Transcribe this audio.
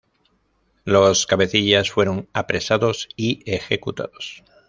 Los cabecillas fueron apresados y ejecutados.